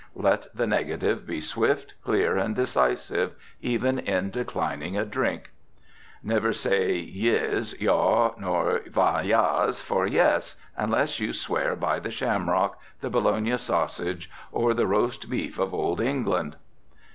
Let the negative be swift, clear and decisive, even in declining a drink. Never say yis, yaw nor ya as, for yes, unless you swear by the shamrock, the Bologna sausage, or the roast beef of old England.